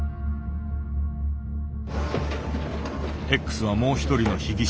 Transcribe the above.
Ｘはもう一人の被疑者